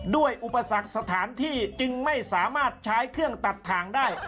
อุปสรรคสถานที่จึงไม่สามารถใช้เครื่องตัดถ่างได้